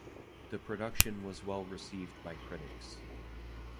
The production was well received by critics.